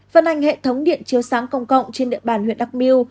phân ảnh hệ thống điện chiếu sáng công cộng trên địa bàn huyện đắk miu